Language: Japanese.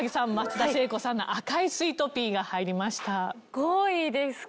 ５位ですか。